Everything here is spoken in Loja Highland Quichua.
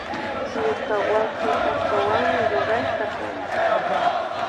Ñuka wasika allpawanmi rurashkakan.